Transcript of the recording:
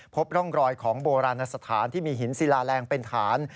พบร่องรอยของโบราณสถานที่มีหินศิลาแรงเป็นฐาน